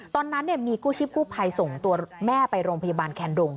ตอนนั้นมีกู้ชีพกู้ภัยส่งตัวแม่ไปโรงพยาบาลแคนดง